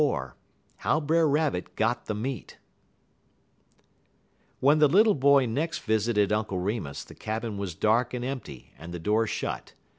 XXIV HOW BRER RABBIT GOT THE MEAT When the little boy next visited Uncle Remus the cabin was dark and empty and the door shut.